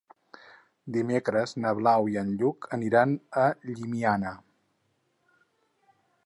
Dimecres na Blau i en Lluc aniran a Llimiana.